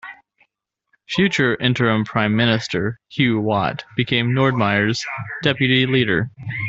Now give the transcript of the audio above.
Future interim Prime Minister, Hugh Watt became Nordmeyer's deputy leader.